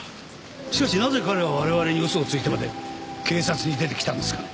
しかしなぜ彼は我々に嘘をついてまで警察に出てきたんですかね？